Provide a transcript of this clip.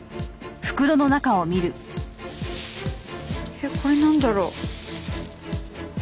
えっこれなんだろう？